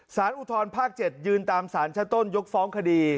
ศาลอุทธรณภาค๗ยืนตามศาลชะต้นยกฟ้องคดี